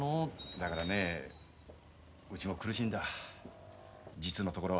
だからねうちも苦しいんだ実のところは。